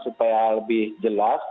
supaya lebih jelas